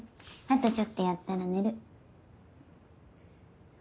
あとちょっとやったら寝る。